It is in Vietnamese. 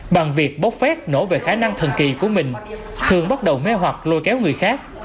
bằng việc bốc phét nổ về khả năng thần kỳ của mình thương bắt đầu mé hoạt lôi kéo người khác